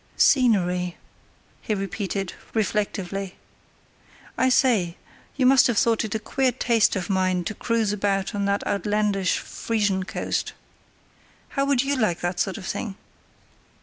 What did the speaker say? "Scenery," he repeated, reflectively. "I say, you must have thought it a queer taste of mine to cruise about on that outlandish Frisian coast. How would you like that sort of thing?"